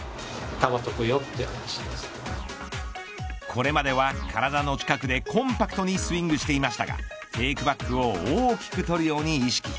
これまでは、体の近くでコンパクトにスイングしていましたがテークバックを大きく取るように意識。